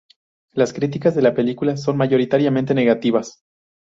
Las críticas de la película son mayoritariamente negativas.